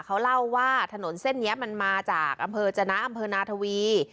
เขาเล่าว่าถนนเส้นนี้มันมาจากอำเภอจนะอำเภอนาทวี